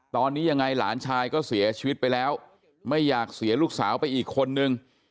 ตอนนี้ยังไงหลานชายก็เสียชีวิตไปแล้วไม่อยากเสียลูกสาวไปอีกคนนึง